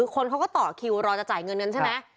คนเขาก็ต่อคิวรอจะจ่ายเงินกันใช่ไหม